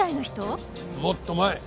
もっと前。